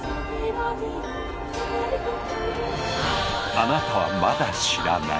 あなたはまだ知らない。